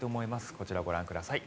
こちら、ご覧ください。